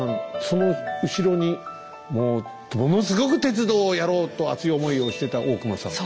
その後ろにもうものすごく鉄道をやろうと熱い思いをしてた大隈さん。